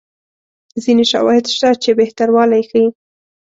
ځیني شواهد شته چې بهتروالی ښيي.